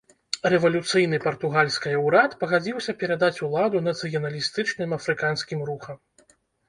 Рэвалюцыйны партугальскае ўрад пагадзіўся перадаць уладу нацыяналістычным афрыканскім рухам.